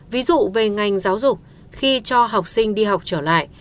ví dụ về ngành giáo dục khi cho học sinh đi học trở lại